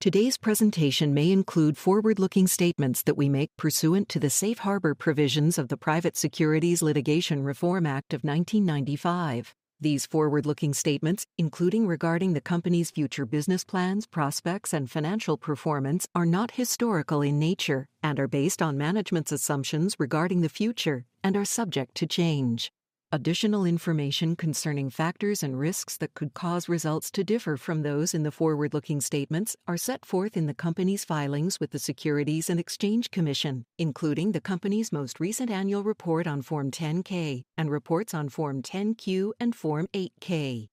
Today's presentation may include forward-looking statements that we make pursuant to the Safe Harbor Provisions of the Private Securities Litigation Reform Act of 1995. These forward-looking statements, including regarding the company's future business plans, prospects, and financial performance, are not historical in nature and are based on management's assumptions regarding the future and are subject to change. Additional information concerning factors and risks that could cause results to differ from those in the forward-looking statements are set forth in the company's filings with the Securities and Exchange Commission, including the company's most recent annual report on Form 10-K and reports on Form 10-Q and Form 8-K.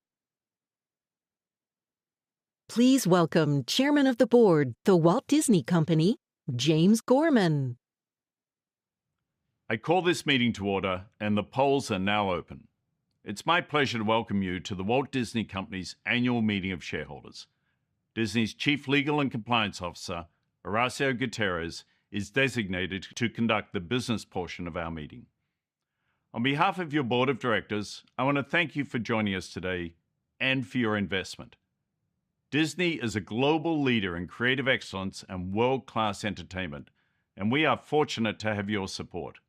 Please welcome Chairman of the Board of The Walt Disney Company, James Gorman. I call this meeting to order, and the polls are now open. It's my pleasure to welcome you to The Walt Disney Company's annual meeting of shareholders. Disney's Chief Legal and Compliance Officer, Horacio Gutierrez, is designated to conduct the business portion of our meeting. On behalf of your Board of Directors, I want to thank you for joining us today and for your investment. Disney is a global leader in creative excellence and world-class entertainment, and we are fortunate to have your support.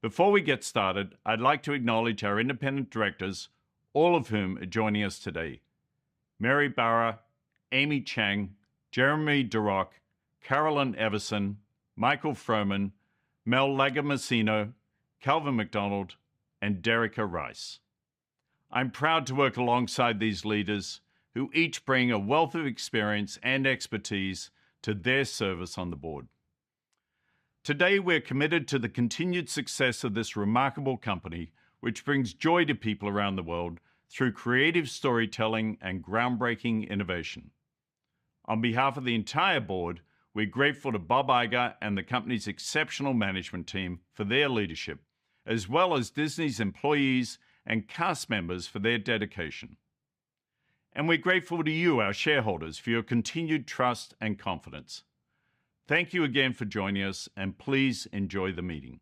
Before we get started, I'd like to acknowledge our independent directors, all of whom are joining us today: Mary Barra, Amy Chang, Jeremy Darroch, Carolyn Everson, Michael Froman, Maria Elena Lagomasino, Calvin McDonald, and Derica Rice. I'm proud to work alongside these leaders, who each bring a wealth of experience and expertise to their service on the board. Today, we're committed to the continued success of this remarkable company, which brings joy to people around the world through creative storytelling and groundbreaking innovation. On behalf of the entire board, we're grateful to Bob Iger and the company's exceptional management team for their leadership, as well as Disney's employees and cast members for their dedication. We're grateful to you, our shareholders, for your continued trust and confidence. Thank you again for joining us, and please enjoy the meeting.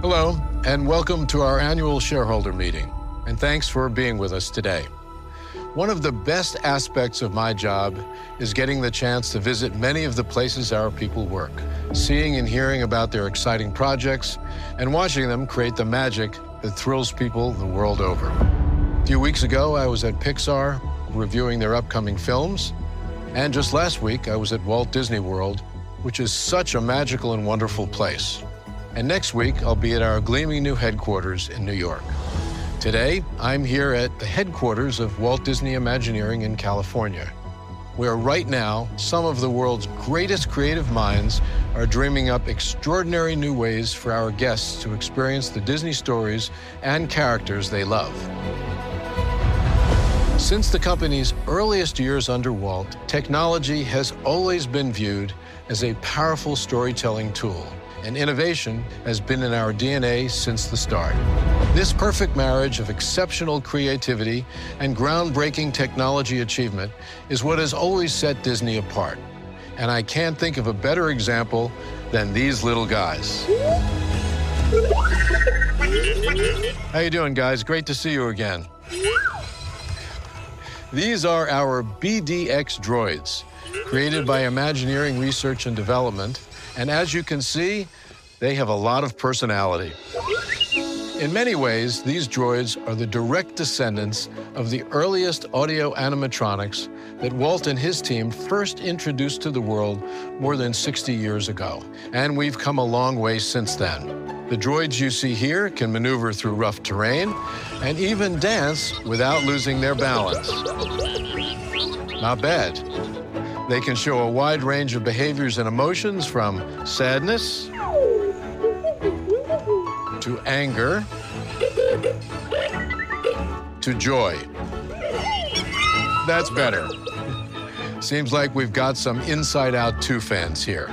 Hello, and welcome to our annual shareholder meeting, and thanks for being with us today. One of the best aspects of my job is getting the chance to visit many of the places our people work, seeing and hearing about their exciting projects, and watching them create the magic that thrills people the world over. A few weeks ago, I was at Pixar reviewing their upcoming films, and just last week, I was at Walt Disney World, which is such a magical and wonderful place. Next week, I'll be at our gleaming new headquarters in New York. Today, I'm here at the headquarters of Walt Disney Imagineering in California, where right now, some of the world's greatest creative minds are dreaming up extraordinary new ways for our guests to experience the Disney stories and characters they love. Since the company's earliest years under Walt, technology has always been viewed as a powerful storytelling tool, and innovation has been in our DNA since the start. This perfect marriage of exceptional creativity and groundbreaking technology achievement is what has always set Disney apart, and I can't think of a better example than these little guys. How you doing, guys? Great to see you again. These are our BDX droids, created by Imagineering Research and Development, and as you can see, they have a lot of personality. In many ways, these droids are the direct descendants of the earliest Audio-Animatronics that Walt and his team first introduced to the world more than 60 years ago, and we've come a long way since then. The droids you see here can maneuver through rough terrain and even dance without losing their balance. Not bad. They can show a wide range of behaviors and emotions, from sadness... to anger... to joy. That's better. Seems like we've got some Inside Out 2 fans here.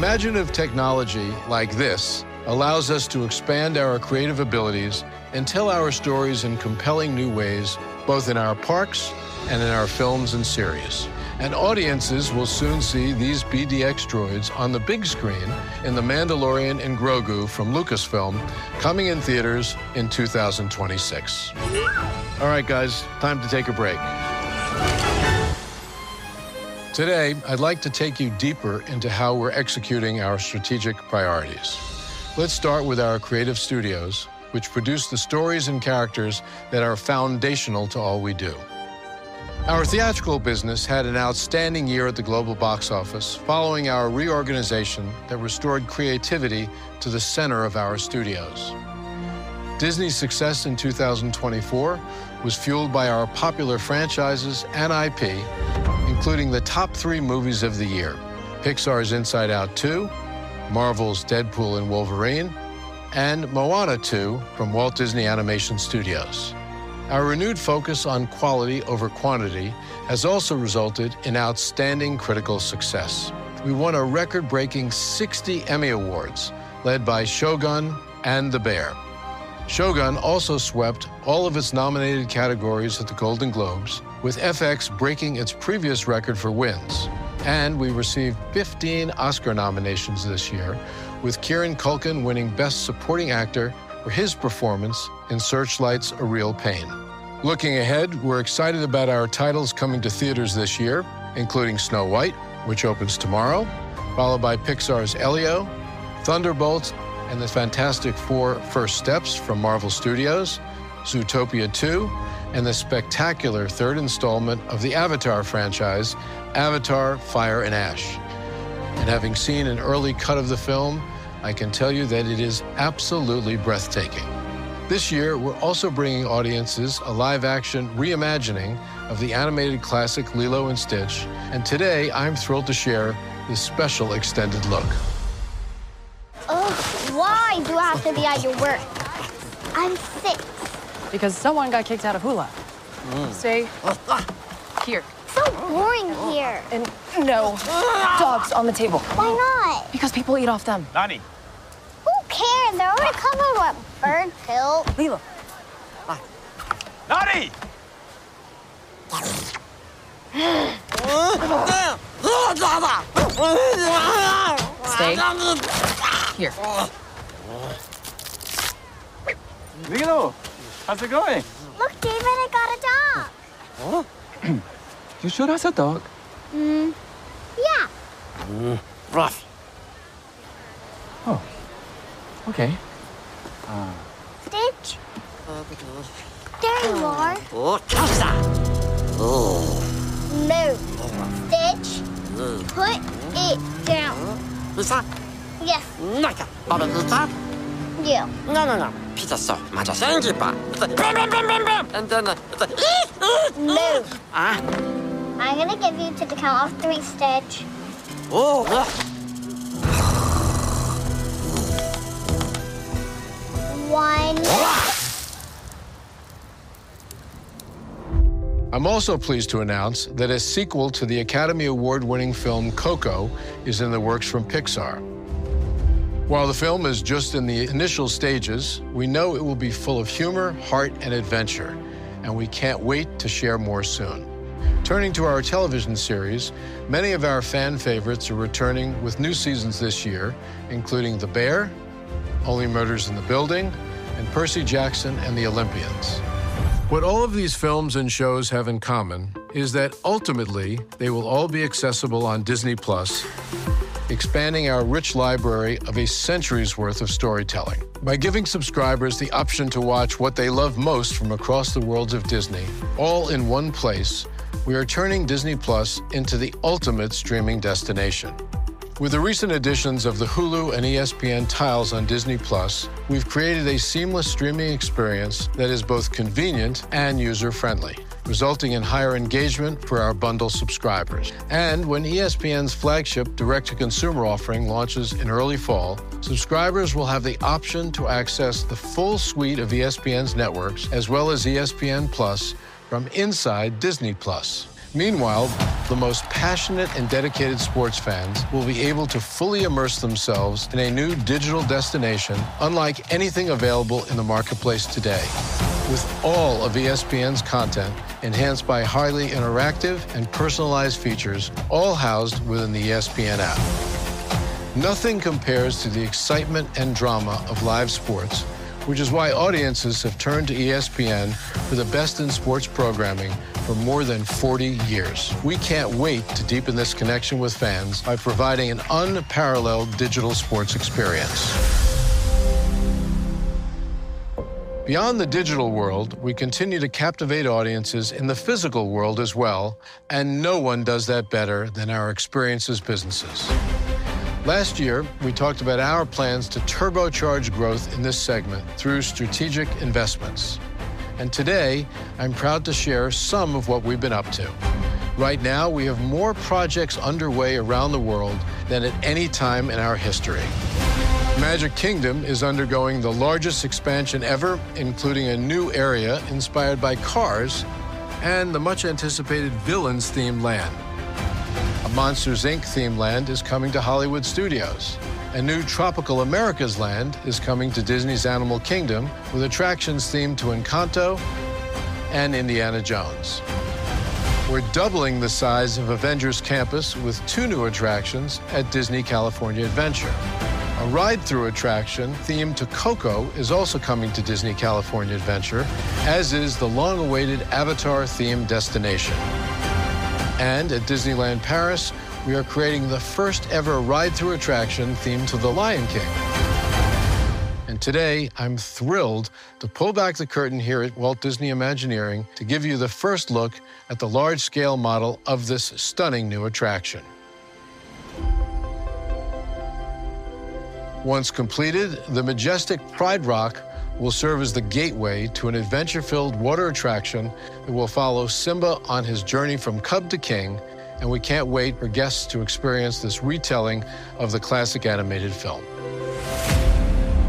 Imaginative technology like this allows us to expand our creative abilities and tell our stories in compelling new ways, both in our parks and in our films and series. Audiences will soon see these BDX droids on the big screen in The Mandalorian and Grogu from Lucasfilm, coming in theaters in 2026. All right, guys, time to take a break. Today, I'd like to take you deeper into how we're executing our strategic priorities. Let's start with our creative studios, which produce the stories and characters that are foundational to all we do. Our theatrical business had an outstanding year at the global box office following our reorganization that restored creativity to the center of our studios. Disney's success in 2024 was fueled by our popular franchises and IP, including the top three movies of the year: Pixar's Inside Out 2, Marvel's Deadpool & Wolverine, and Moana 2 from Walt Disney Animation Studios. Our renewed focus on quality over quantity has also resulted in outstanding critical success. We won a record-breaking 60 Emmy Awards, led by Shogun and The Bear. Shogun also swept all of its nominated categories at the Golden Globes, with FX breaking its previous record for wins. We received 15 Oscar nominations this year, with Kieran Culkin winning Best Supporting Actor for his performance in Searchlight's A Real Pain. Looking ahead, we're excited about our titles coming to theaters this year, including Snow White, which opens tomorrow, followed by Pixar's Elio, Thunderbolts, and The Fantastic Four: First Steps from Marvel Studios, Zootopia 2, and the spectacular third installment of the Avatar franchise, Avatar: Fire and Ash. Having seen an early cut of the film, I can tell you that it is absolutely breathtaking. This year, we're also bringing audiences a live-action reimagining of the animated classic Lilo & Stitch, and today, I'm thrilled to share this special extended look. Oh, why do I have to be at your work? I'm sick. Because someone got kicked out of Hulu. See. Here. Boring here. No dogs on the table. Why not? Because people eat off them. Nani! Who cares? They're only covering what? Bird pills. Lilo. Nani! Here. Lilo, how's it going? Look, David, I got a dog. You sure that's a dog? Mm-hmm. Yeah. Oh, okay. Stitch. There you are. Oh, stop that. No. Stitch, put it down. Luza. Yes. Like that. Yeah. No, no, no. Pizza sauce. Thank you, Pop. Then it's a... No. I'm going to give you to the count of three, Stitch. Oh.Why not? I'm also pleased to announce that a sequel to the Academy Award-winning film Coco is in the works from Pixar. While the film is just in the initial stages, we know it will be full of humor, heart, and adventure, and we can't wait to share more soon. Turning to our television series, many of our fan favorites are returning with new seasons this year, including The Bear, Only Murders in the Building, and Percy Jackson and the Olympians. What all of these films and shows have in common is that ultimately, they will all be accessible on Disney+, expanding our rich library of a century's worth of storytelling. By giving subscribers the option to watch what they love most from across the worlds of Disney, all in one place, we are turning Disney+ into the ultimate streaming destination. With the recent additions of the Hulu and ESPN tiles on Disney+, we have created a seamless streaming experience that is both convenient and user-friendly, resulting in higher engagement for our bundle subscribers. When ESPN's flagship direct-to-consumer offering launches in early fall, subscribers will have the option to access the full suite of ESPN's networks, as well as ESPN+, from inside Disney+. Meanwhile, the most passionate and dedicated sports fans will be able to fully immerse themselves in a new digital destination unlike anything available in the marketplace today, with all of ESPN's content enhanced by highly interactive and personalized features, all housed within the ESPN app. Nothing compares to the excitement and drama of live sports, which is why audiences have turned to ESPN for the best in sports programming for more than 40 years. We can't wait to deepen this connection with fans by providing an unparalleled digital sports experience. Beyond the digital world, we continue to captivate audiences in the physical world as well, and no one does that better than our experiences businesses. Last year, we talked about our plans to turbocharge growth in this segment through strategic investments. Today, I'm proud to share some of what we've been up to. Right now, we have more projects underway around the world than at any time in our history. Magic Kingdom is undergoing the largest expansion ever, including a new area inspired by Cars and the much-anticipated Villains-themed land. A Monsters, Inc.-themed land is coming to Hollywood Studios. A new Tropical Americas land is coming to Disney's Animal Kingdom with attractions themed to Encanto and Indiana Jones. We're doubling the size of Avengers Campus with two new attractions at Disney California Adventure. A ride-through attraction themed to Coco is also coming to Disney California Adventure, as is the long-awaited Avatar-themed destination. At Disneyland Paris, we are creating the first-ever ride-through attraction themed to the Lion King. Today, I'm thrilled to pull back the curtain here at Walt Disney Imagineering to give you the first look at the large-scale model of this stunning new attraction. Once completed, the majestic Pride Rock will serve as the gateway to an adventure-filled water attraction that will follow Simba on his journey from cub to king, and we can't wait for guests to experience this retelling of the classic animated film.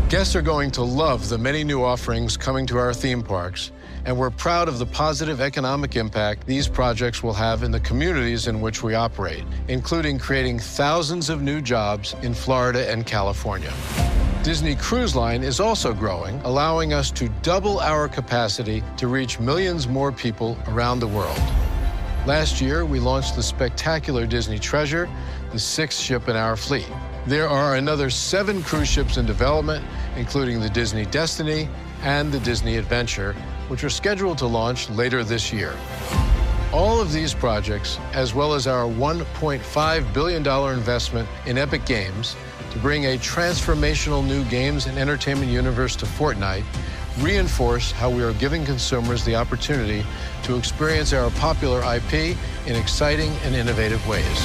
Guests are going to love the many new offerings coming to our theme parks, and we're proud of the positive economic impact these projects will have in the communities in which we operate, including creating thousands of new jobs in Florida and California. Disney Cruise Line is also growing, allowing us to double our capacity to reach millions more people around the world. Last year, we launched the spectacular Disney Treasure, the sixth ship in our fleet. There are another seven cruise ships in development, including the Disney Destiny and the Disney Adventure, which are scheduled to launch later this year. All of these projects, as well as our $1.5 billion investment in Epic Games to bring a transformational new games and entertainment universe to Fortnite, reinforce how we are giving consumers the opportunity to experience our popular IP in exciting and innovative ways.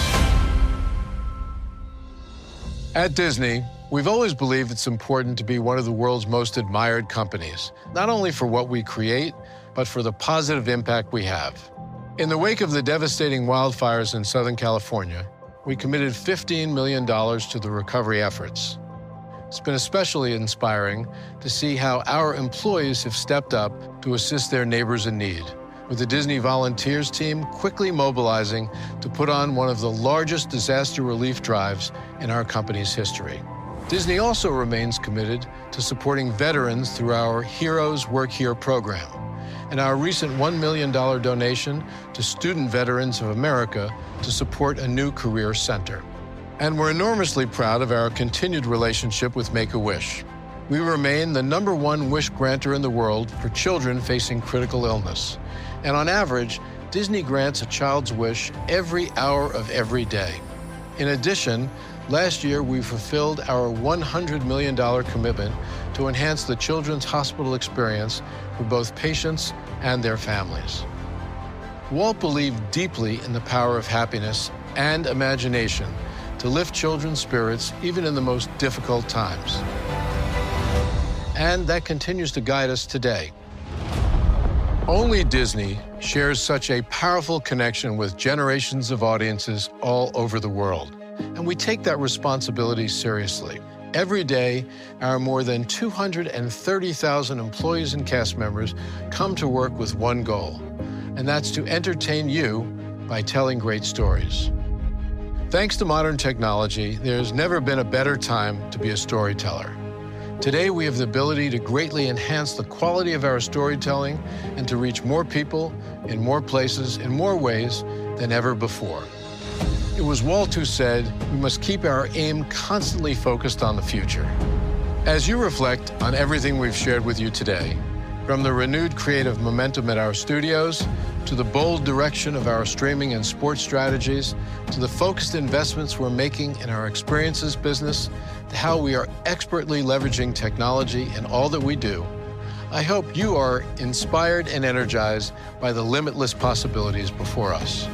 At Disney, we've always believed it's important to be one of the world's most admired companies, not only for what we create, but for the positive impact we have. In the wake of the devastating wildfires in Southern California, we committed $15 million to the recovery efforts. It's been especially inspiring to see how our employees have stepped up to assist their neighbors in need, with the Disney Volunteers team quickly mobilizing to put on one of the largest disaster relief drives in our company's history. Disney also remains committed to supporting veterans through our Heroes Work Here program and our recent $1 million donation to Student Veterans of America to support a new career center. We're enormously proud of our continued relationship with Make-A-Wish. We remain the number one wish granter in the world for children facing critical illness, and on average, Disney grants a child's wish every hour of every day. In addition, last year, we fulfilled our $100 million commitment to enhance the children's hospital experience for both patients and their families. Walt believed deeply in the power of happiness and imagination to lift children's spirits even in the most difficult times, and that continues to guide us today. Only Disney shares such a powerful connection with generations of audiences all over the world, and we take that responsibility seriously. Every day, our more than 230,000 employees and cast members come to work with one goal, and that's to entertain you by telling great stories. Thanks to modern technology, there has never been a better time to be a storyteller. Today, we have the ability to greatly enhance the quality of our storytelling and to reach more people in more places in more ways than ever before. It was Walt who said, "We must keep our aim constantly focused on the future." As you reflect on everything we've shared with you today, from the renewed creative momentum at our studios to the bold direction of our streaming and sports strategies, to the focused investments we're making in our experiences business, to how we are expertly leveraging technology in all that we do, I hope you are inspired and energized by the limitless possibilities before us.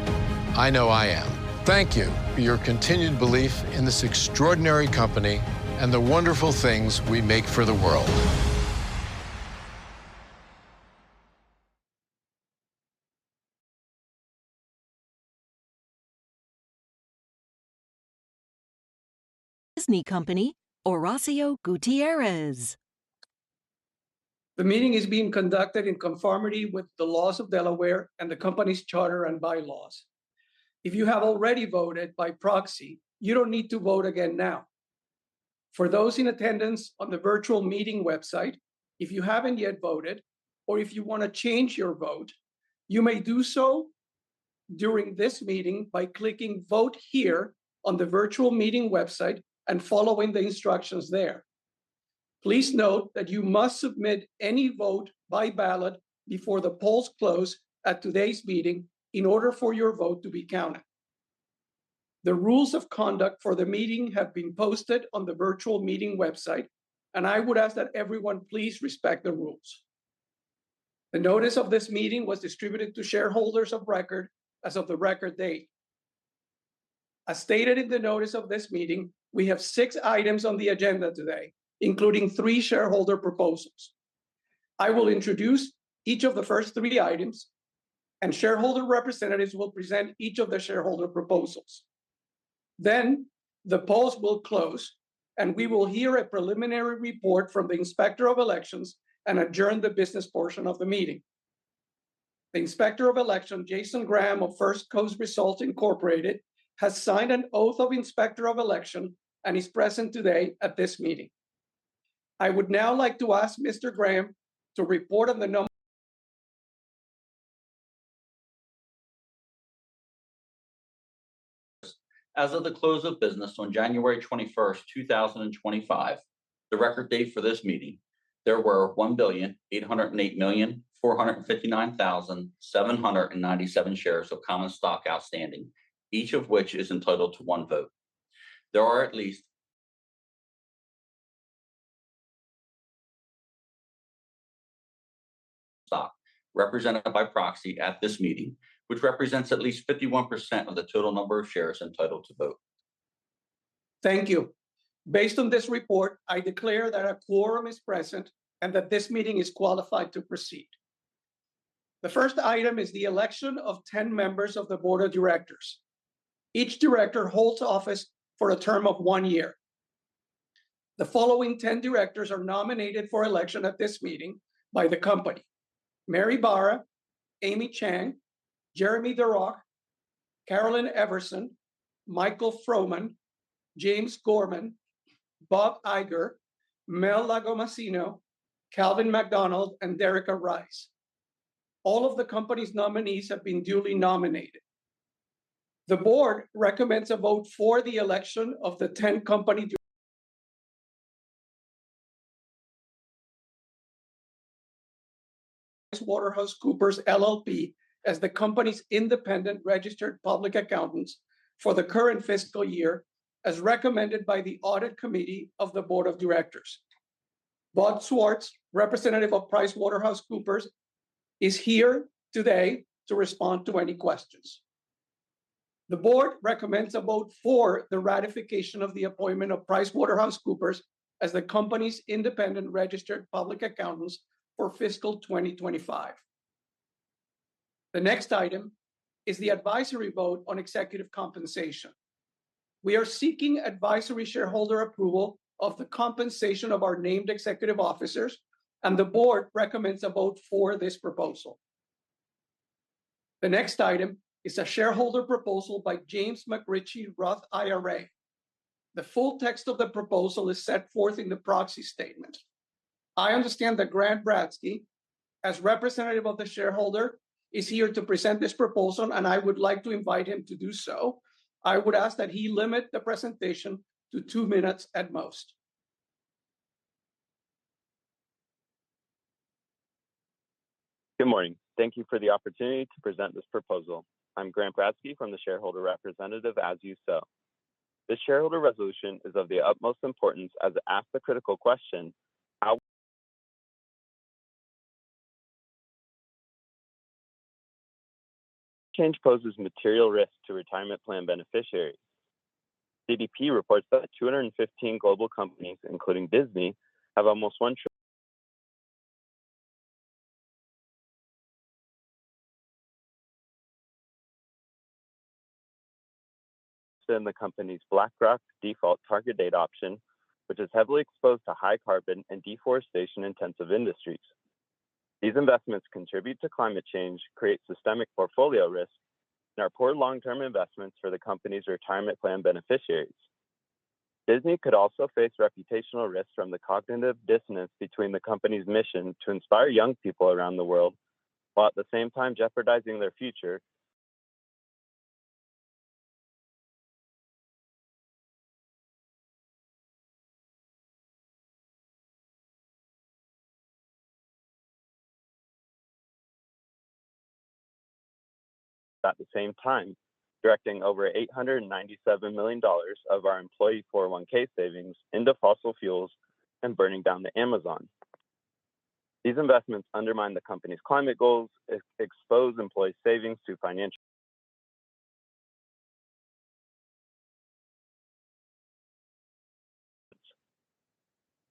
I know I am. Thank you for your continued belief in this extraordinary company and the wonderful things we make for the world. Disney Company Horacio Gutierrez. The meeting is being conducted in conformity with the laws of Delaware and the company's charter and bylaws. If you have already voted by proxy, you don't need to vote again now. For those in attendance on the virtual meeting website, if you haven't yet voted or if you want to change your vote, you may do so during this meeting by clicking "Vote Here" on the virtual meeting website and following the instructions there. Please note that you must submit any vote by ballot before the polls close at today's meeting in order for your vote to be counted. The rules of conduct for the meeting have been posted on the virtual meeting website, and I would ask that everyone please respect the rules. The notice of this meeting was distributed to shareholders of record as of the record date. As stated in the notice of this meeting, we have six items on the agenda today, including three shareholder proposals. I will introduce each of the first three items, and shareholder representatives will present each of the shareholder proposals. The polls will close, and we will hear a preliminary report from the Inspector of Elections and adjourn the business portion of the meeting. The Inspector of Elections, Jason Graham of First Coast Results Incorporated, has signed an oath of inspector of election and is present today at this meeting. I would now like to ask Mr. Graham to report on the number. As of the close of business on January 21st, 2025, the record date for this meeting, there were 1,808,459,797 shares of common stock outstanding, each of which is entitled to one vote. There are at least stock represented by proxy at this meeting, which represents at least 51% of the total number of shares entitled to vote. Thank you. Based on this report, I declare that a quorum is present and that this meeting is qualified to proceed. The first item is the election of 10 members of the board of directors. Each director holds office for a term of one year. The following 10 directors are nominated for election at this meeting by the company: Mary Barra, Amy Chang, Jeremy Darroch, Carolyn Everson, Michael Froman, James Gorman, Bob Iger, Maria Elena Lagomasino, Calvin McDonald, and Derica Rice. All of the company's nominees have been duly nominated. The board recommends a vote for the election of the 10 company. PricewaterhouseCoopers LLP as the company's independent registered public accountants for the current fiscal year, as recommended by the audit committee of the board of directors. Bob Schwartz, representative of PricewaterhouseCoopers, is here today to respond to any questions. The board recommends a vote for the ratification of the appointment of PricewaterhouseCoopers as the company's independent registered public accountants for fiscal 2025. The next item is the advisory vote on executive compensation. We are seeking advisory shareholder approval of the compensation of our named executive officers, and the board recommends a vote for this proposal. The next item is a shareholder proposal by James McRitchie ROTH IRA. The full text of the proposal is set forth in the proxy statement. I understand that Grant Bradski, as representative of the shareholder, is here to present this proposal, and I would like to invite him to do so. I would ask that he limit the presentation to two minutes at most. Good morning. Thank you for the opportunity to present this proposal. I'm Grant Bradski from the shareholder representative, As You Sow. This shareholder resolution is of the utmost importance as it asks the critical question, how. Change poses material risk to retirement plan beneficiaries. CDP reports that 215 global companies, including Disney, have almost 1. In the company's BlackRock default target date option, which is heavily exposed to high carbon and deforestation-intensive industries. These investments contribute to climate change, create systemic portfolio risk, and are poor long-term investments for the company's retirement plan beneficiaries. Disney could also face reputational risks from the cognitive dissonance between the company's mission to inspire young people around the world while at the same time jeopardizing their future. At the same time, directing over $897 million of our employee 401(k) savings into fossil fuels and burning down the Amazon. These investments undermine the company's climate goals, expose employee savings to financial.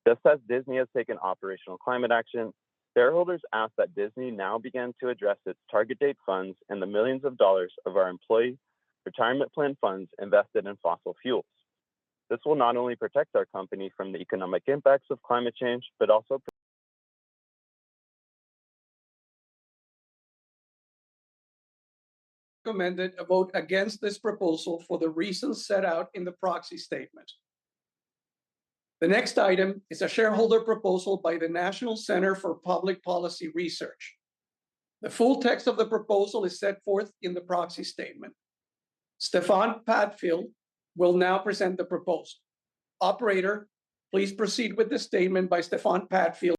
Just as Disney has taken operational climate action, shareholders ask that Disney now begin to address its target date funds and the millions of dollars of our employee retirement plan funds invested in fossil fuels. This will not only protect our company from the economic impacts of climate change, but also. Recommended a vote against this proposal for the reasons set out in the proxy statement. The next item is a shareholder proposal by the National Center for Public Policy Research. The full text of the proposal is set forth in the proxy statement. Stefan Padfield will now present the proposal. Operator, please proceed with the statement by Stefan Padfield.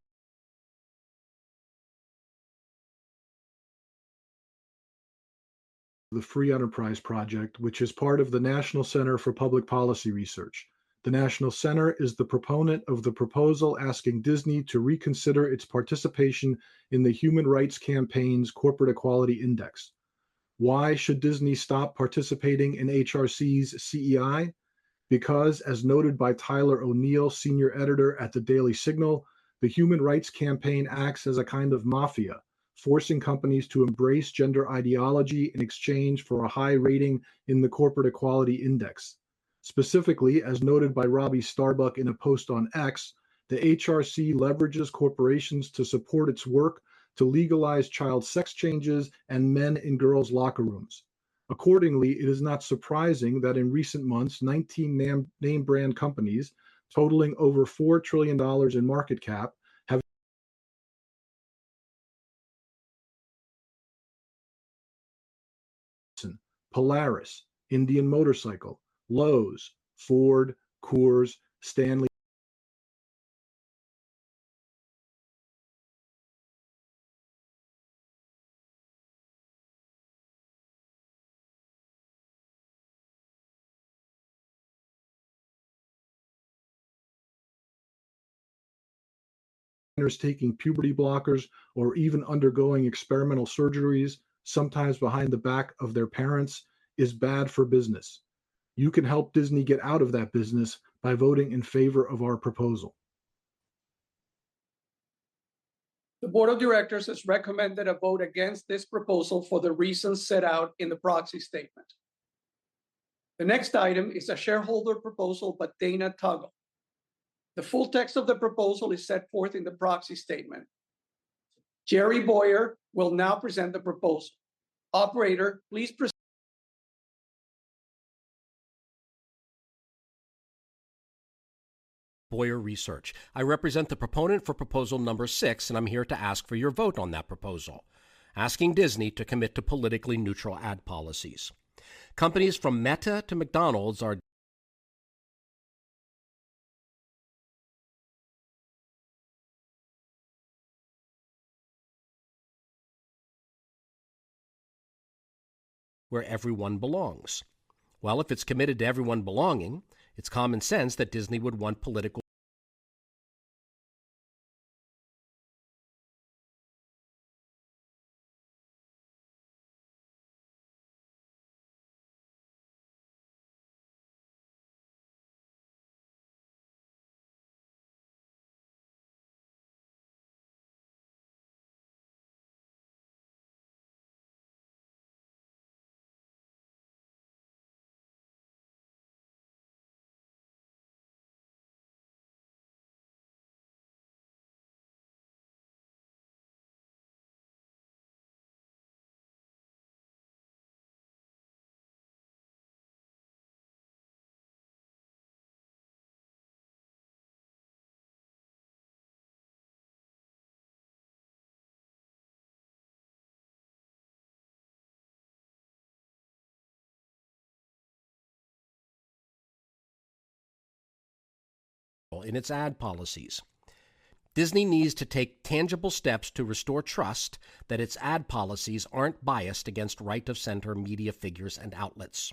The Free Enterprise Project, which is part of the National Center for Public Policy Research. The National Center is the proponent of the proposal asking Disney to reconsider its participation in the Human Rights Campaign's Corporate Equality Index. Why should Disney stop participating in HRC's CEI? Because, as noted by Tyler O'Neil, senior editor at The Daily Signal, the Human Rights Campaign acts as a kind of mafia, forcing companies to embrace gender ideology in exchange for a high rating in the Corporate Equality Index. Specifically, as noted by Robbie Starbuck in a post on X, the HRC leverages corporations to support its work to legalize child sex changes and men in girls' locker rooms. Accordingly, it is not surprising that in recent months, 19 name brand companies totaling over $4 trillion in market cap have. Polaris, Indian Motorcycle, Lowe's, Ford, Coors, Stanley. Taking puberty blockers or even undergoing experimental surgeries, sometimes behind the back of their parents, is bad for business. You can help Disney get out of that business by voting in favor of our proposal. The board of directors has recommended a vote against this proposal for the reasons set out in the proxy statement. The next item is a shareholder proposal by Dana Tuggle. The full text of the proposal is set forth in the proxy statement. Jerry Bowyer will now present the proposal. Operator, please. Bowyer Research. I represent the proponent for proposal number six, and I'm here to ask for your vote on that proposal, asking Disney to commit to politically neutral ad policies. Companies from Meta to McDonald's are. Where everyone belongs. If it's committed to everyone belonging, it's common sense that Disney would want political. In its ad policies, Disney needs to take tangible steps to restore trust that its ad policies aren't biased against right-of-center media figures and outlets.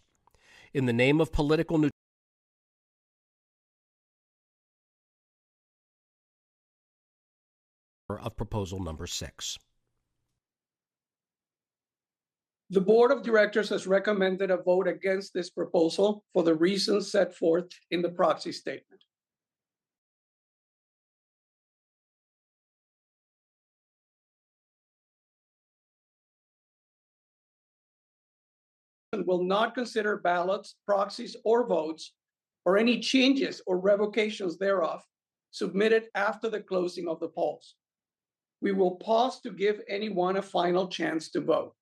In the name of political. Of proposal number six. The board of directors has recommended a vote against this proposal for the reasons set forth in the proxy statement. Will not consider ballots, proxies, or votes, or any changes or revocations thereof submitted after the closing of the polls. We will pause to give anyone a final chance to vote.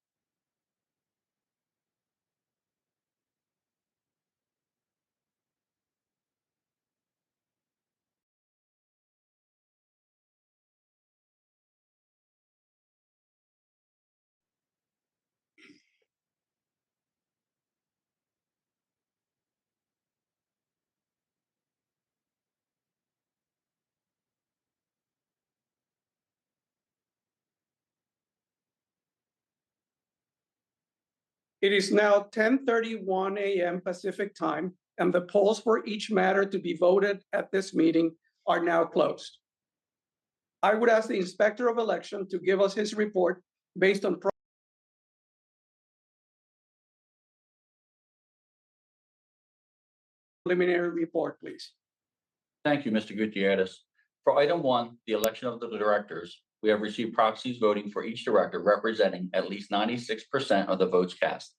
It is now 10:31 A.M. Pacific time, and the polls for each matter to be voted at this meeting are now closed. I would ask the Inspector of Election to give us his report based on. Preliminary report, please. Thank you, Mr. Gutierrez. For item one, the election of the directors, we have received proxies voting for each director representing at least 96% of the votes cast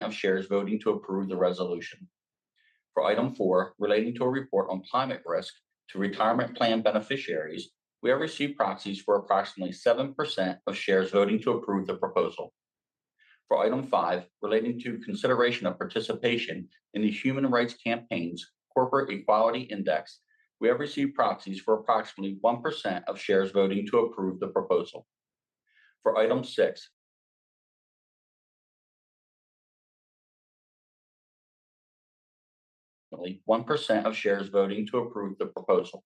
of shares voting to approve the resolution. For item four, relating to a report on climate risk to retirement plan beneficiaries, we have received proxies for approximately 7% of shares voting to approve the proposal. For item five, relating to consideration of participation in the Human Rights Campaign's Corporate Equality Index, we have received proxies for approximately 1% of shares voting to approve the proposal. For item six, 1% of shares voting to approve the proposal.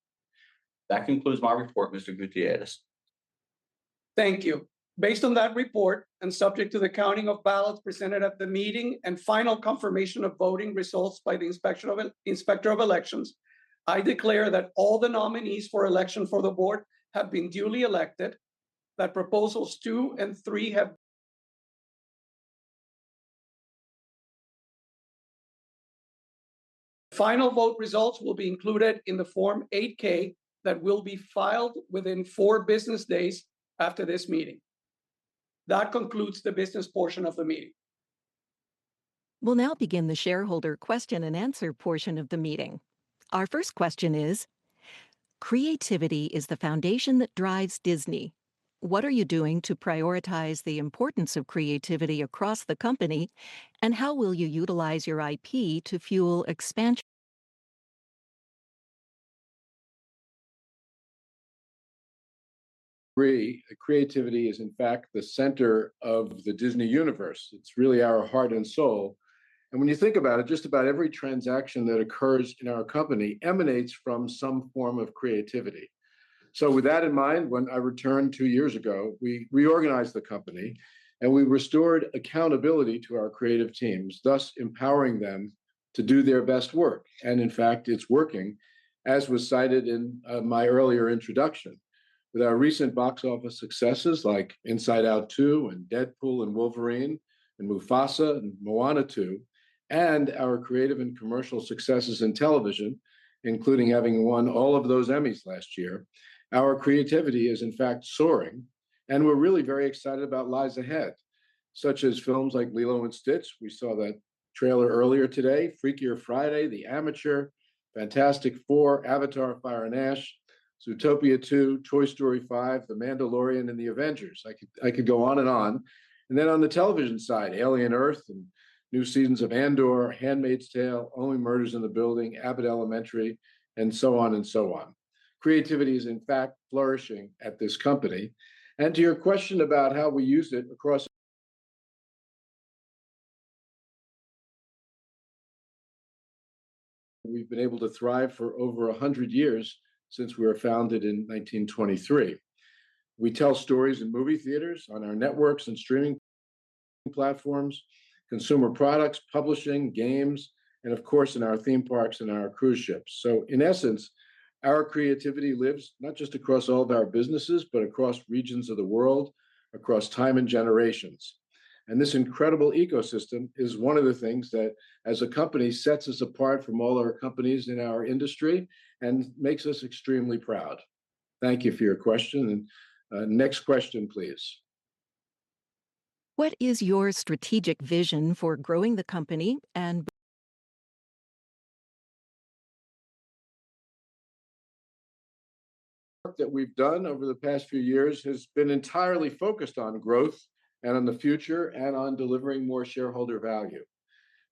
That concludes my report, Mr. Gutierrez. Thank you. Based on that report and subject to the counting of ballots presented at the meeting and final confirmation of voting results by the Inspector of Elections, I declare that all the nominees for election for the board have been duly elected, that proposals two and three have. Final vote results will be included in the Form 8-K that will be filed within four business days after this meeting. That concludes the business portion of the meeting. We'll now begin the shareholder question and answer portion of the meeting. Our first question is, "Creativity is the foundation that drives Disney. What are you doing to prioritize the importance of creativity across the company, and how will you utilize your IP to fuel expansion? Agree. Creativity is, in fact, the center of the Disney universe. It's really our heart and soul. When you think about it, just about every transaction that occurs in our company emanates from some form of creativity. With that in mind, when I returned two years ago, we reorganized the company, and we restored accountability to our creative teams, thus empowering them to do their best work. In fact, it's working, as was cited in my earlier introduction, with our recent box office successes like Inside Out 2 and Deadpool & Wolverine and Mufasa and Moana 2, and our creative and commercial successes in television, including having won all of those Emmys last year. Our creativity is, in fact, soaring, and we're really very excited about what lies ahead, such as films like Lilo & Stitch. We saw that trailer earlier today, Freakier Friday, The Amateur, Fantastic Four, Avatar: Fire and Ash, Zootopia 2, Toy Story 5, The Mandalorian, and The Avengers. I could go on and on. On the television side, Alien Earth and new seasons of Andor, Handmaid's Tale, Only Murders in the Building, Abbott Elementary, and so on and so on. Creativity is, in fact, flourishing at this company. To your question about how we used it across, we've been able to thrive for over 100 years since we were founded in 1923. We tell stories in movie theaters, on our networks and streaming platforms, consumer products, publishing, games, and of course, in our theme parks and our cruise ships. In essence, our creativity lives not just across all of our businesses, but across regions of the world, across time and generations. This incredible ecosystem is one of the things that, as a company, sets us apart from all our companies in our industry and makes us extremely proud. Thank you for your question. Next question, please. What is your strategic vision for growing the company? That we've done over the past few years has been entirely focused on growth and on the future and on delivering more shareholder value.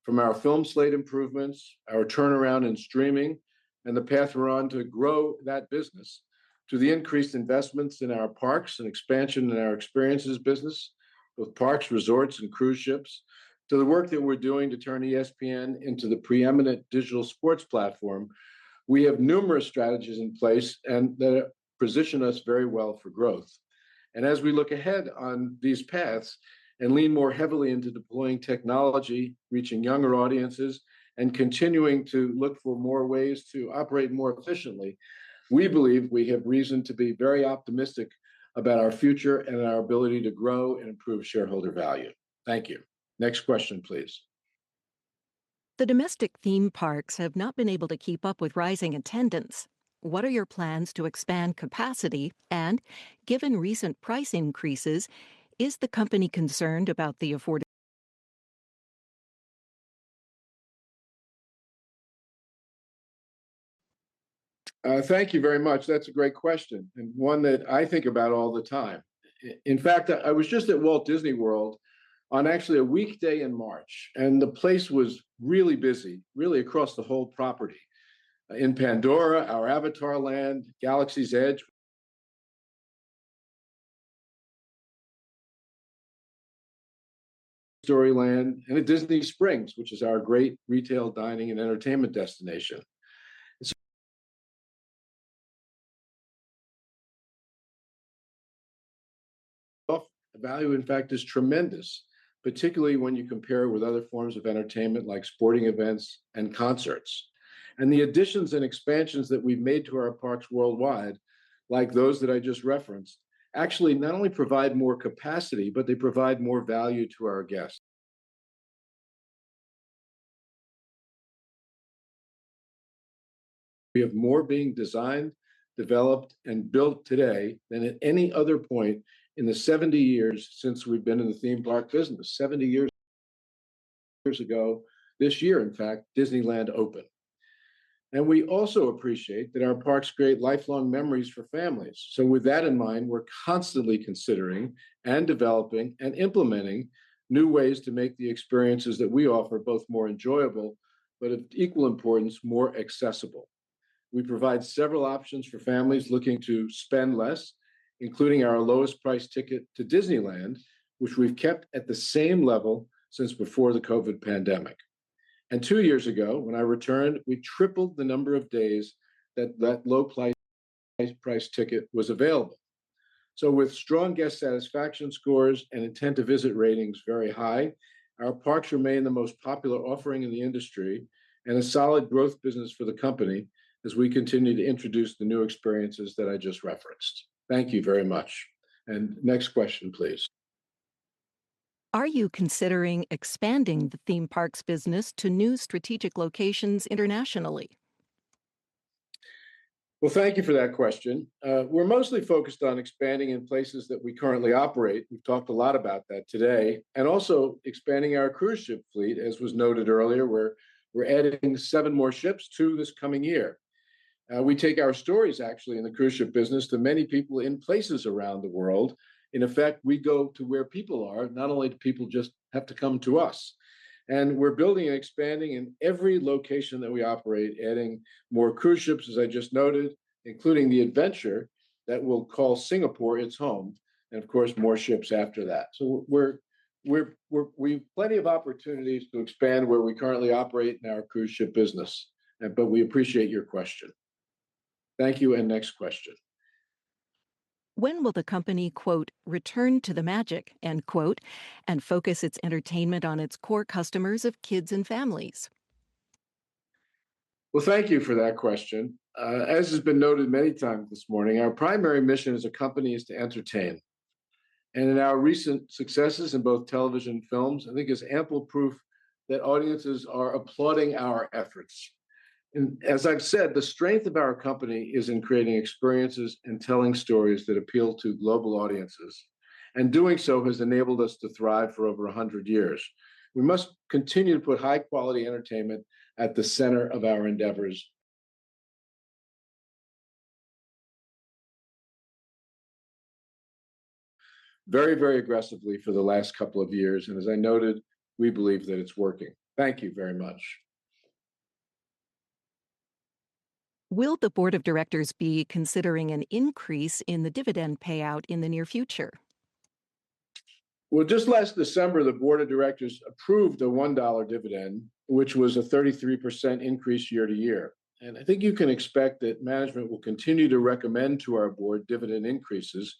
From our film slate improvements, our turnaround in streaming and the path we're on to grow that business, to the increased investments in our parks and expansion in our experiences business, both parks, resorts, and cruise ships, to the work that we're doing to turn ESPN into the preeminent digital sports platform, we have numerous strategies in place that position us very well for growth. As we look ahead on these paths and lean more heavily into deploying technology, reaching younger audiences, and continuing to look for more ways to operate more efficiently, we believe we have reason to be very optimistic about our future and our ability to grow and improve shareholder value. Thank you. Next question, please. The domestic theme parks have not been able to keep up with rising attendance. What are your plans to expand capacity? Given recent price increases, is the company concerned about the afford. Thank you very much. That's a great question and one that I think about all the time. In fact, I was just at Walt Disney World on actually a weekday in March, and the place was really busy, really across the whole property in Pandora, our Avatar land, Galaxy's Edge, Story land, and at Disney Springs, which is our great retail, dining, and entertainment destination. The value, in fact, is tremendous, particularly when you compare with other forms of entertainment like sporting events and concerts. The additions and expansions that we've made to our parks worldwide, like those that I just referenced, actually not only provide more capacity, but they provide more value to our guests. We have more being designed, developed, and built today than at any other point in the 70 years since we've been in the theme park business. Seventy years ago, this year, in fact, Disneyland opened. We also appreciate that our parks create lifelong memories for families. With that in mind, we're constantly considering and developing and implementing new ways to make the experiences that we offer both more enjoyable, but of equal importance, more accessible. We provide several options for families looking to spend less, including our lowest price ticket to Disneyland, which we've kept at the same level since before the COVID pandemic. Two years ago, when I returned, we tripled the number of days that that low price ticket was available. With strong guest satisfaction scores and intent to visit ratings very high, our parks remain the most popular offering in the industry and a solid growth business for the company as we continue to introduce the new experiences that I just referenced. Thank you very much. Next question, please. Are you considering expanding the theme parks business to new strategic locations internationally? Thank you for that question. We're mostly focused on expanding in places that we currently operate. We've talked a lot about that today. We are also expanding our cruise ship fleet, as was noted earlier, where we're adding seven more ships this coming year. We take our stories, actually, in the cruise ship business to many people in places around the world. In effect, we go to where people are, not only do people just have to come to us. We are building and expanding in every location that we operate, adding more cruise ships, as I just noted, including the Adventure that will call Singapore its home, and of course, more ships after that. There are plenty of opportunities to expand where we currently operate in our cruise ship business. We appreciate your question. Thank you. Next question. When will the company, quote, "return to the magic," end quote, and focus its entertainment on its core customers of kids and families? Thank you for that question. As has been noted many times this morning, our primary mission as a company is to entertain. In our recent successes in both television and films, I think is ample proof that audiences are applauding our efforts. As I've said, the strength of our company is in creating experiences and telling stories that appeal to global audiences. Doing so has enabled us to thrive for over 100 years. We must continue to put high-quality entertainment at the center of our endeavors. Very, very aggressively for the last couple of years. As I noted, we believe that it's working. Thank you very much. Will the board of directors be considering an increase in the dividend payout in the near future? Just last December, the board of directors approved a $1 dividend, which was a 33% increase year-to-year. I think you can expect that management will continue to recommend to our board dividend increases,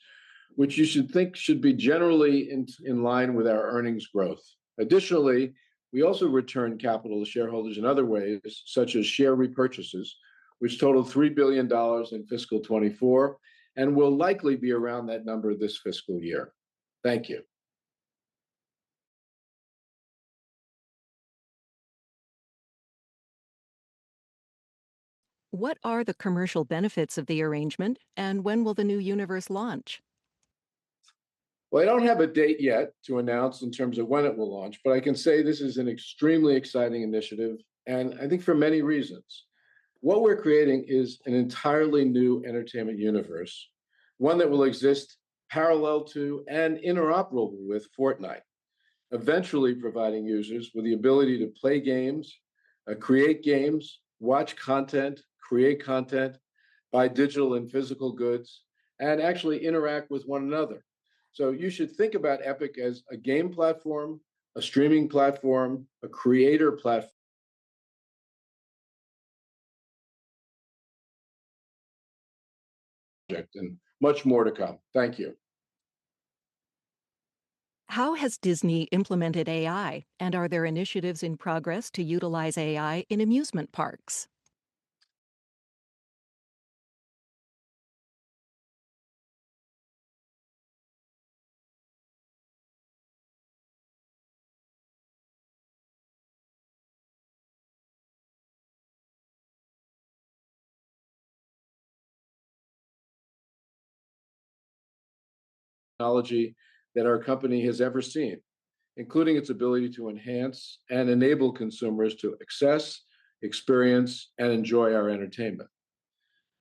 which you should think should be generally in line with our earnings growth. Additionally, we also return capital to shareholders in other ways, such as share repurchases, which totaled $3 billion in fiscal 2024 and will likely be around that number this fiscal year. Thank you. What are the commercial benefits of the arrangement, and when will the new universe launch? I don't have a date yet to announce in terms of when it will launch, but I can say this is an extremely exciting initiative, and I think for many reasons. What we're creating is an entirely new entertainment universe, one that will exist parallel to and interoperable with Fortnite, eventually providing users with the ability to play games, create games, watch content, create content, buy digital and physical goods, and actually interact with one another. You should think about Epic as a game platform, a streaming platform, a creator platform. And much more to come. Thank you. How has Disney implemented AI, and are there initiatives in progress to utilize AI in amusement parks? Technology that our company has ever seen, including its ability to enhance and enable consumers to access, experience, and enjoy our entertainment.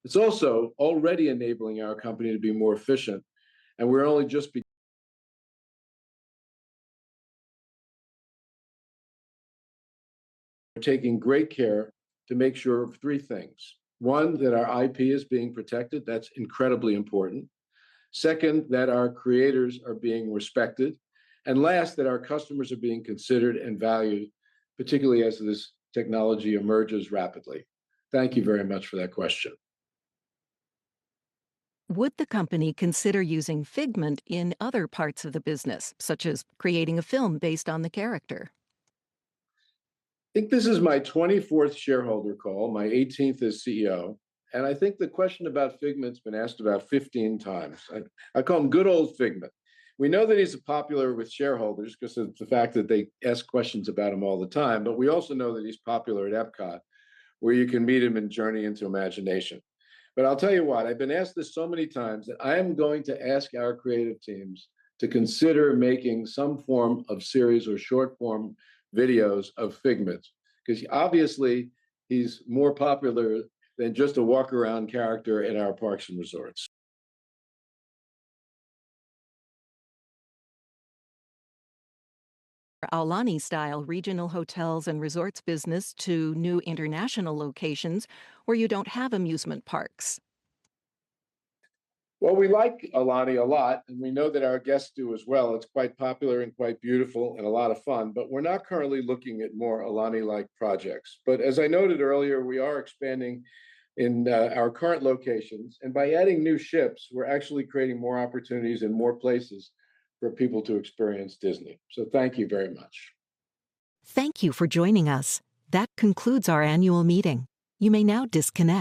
It's also already enabling our company to be more efficient, and we're only just taking great care to make sure of three things. One, that our IP is being protected. That's incredibly important. Second, that our creators are being respected. And last, that our customers are being considered and valued, particularly as this technology emerges rapidly. Thank you very much for that question. Would the company consider using Figment in other parts of the business, such as creating a film based on the character? I think this is my 24th shareholder call. My 18th as CEO. I think the question about Figment's been asked about 15 times. I call him good old Figment. We know that he's popular with shareholders because of the fact that they ask questions about him all the time. We also know that he's popular at Epcot, where you can meet him and journey into imagination. I'll tell you what, I've been asked this so many times that I am going to ask our creative teams to consider making some form of series or short form videos of Figment, because obviously he's more popular than just a walk-around character in our parks and resorts. Aulani-style regional hotels and resorts business to new international locations where you don't have amusement parks? We like Aulani a lot, and we know that our guests do as well. It is quite popular and quite beautiful and a lot of fun. We are not currently looking at more Aulani-like projects. As I noted earlier, we are expanding in our current locations. By adding new ships, we are actually creating more opportunities and more places for people to experience Disney. Thank you very much. Thank you for joining us. That concludes our annual meeting. You may now disconnect.